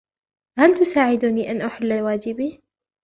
هل تساعدني أن أحل واجبي ؟